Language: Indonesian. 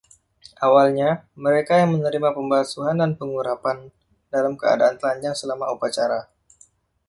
Awalnya, mereka yang menerima pembasuhan dan pengurapan dalam keadaan telanjang selama upacara.